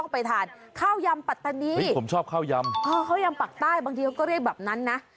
ไปทานข้าวยำปัตตานีผมชอบข้าวยำข้าวยำปากใต้บางทีเขาก็เรียกแบบนั้นนะ